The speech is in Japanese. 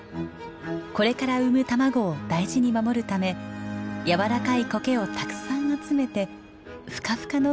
これから産む卵を大事に守るため柔らかいコケをたくさん集めてフカフカの巣を作ります。